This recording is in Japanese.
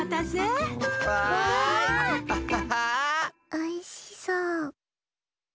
おいしそう。